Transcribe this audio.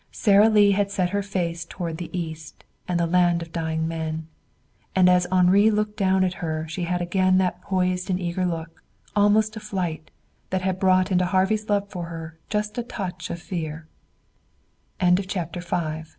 Sara Lee had set her face toward the east, and the land of dying men. And as Henri looked down at her she had again that poised and eager look, almost of flight, that had brought into Harvey's love for her just a touch of